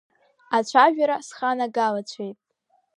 Ацәажәара сханагалацәеит…